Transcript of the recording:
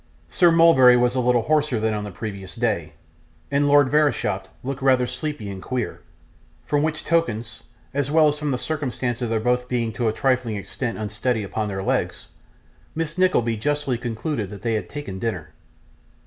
Sir Mulberry was a little hoarser than on the previous day, and Lord Verisopht looked rather sleepy and queer; from which tokens, as well as from the circumstance of their both being to a trifling extent unsteady upon their legs, Mrs. Nickleby justly concluded that they had taken dinner.